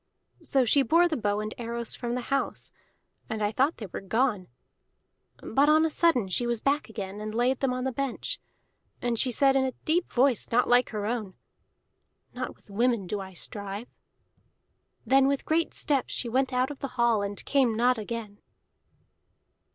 So she bore the bow and arrows from the house, and I thought they were gone; but on a sudden she was back again, and laid them on the bench. And she said in a deep voice not like her own: "'Not with women do I strive.' "Then with great steps she went out of the hall, and came not again."